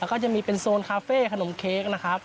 แล้วก็จะมีเป็นโซนคาเฟ่ขนมเค้กนะครับ